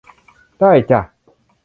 ได้จ๊ะ